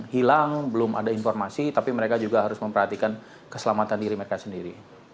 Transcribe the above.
hilang belum ada informasi tapi mereka juga harus memperhatikan keselamatan diri mereka sendiri